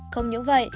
không những vậy